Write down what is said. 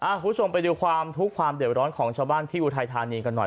คุณผู้ชมไปดูความทุกข์ความเดือดร้อนของชาวบ้านที่อุทัยธานีกันหน่อย